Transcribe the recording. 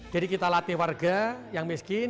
jadi kita latih warga yang miskin